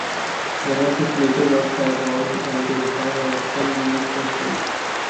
Many of his later works have gone on to refine or extend these principles.